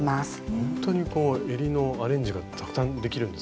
ほんとにこうえりのアレンジがたくさんできるんですね。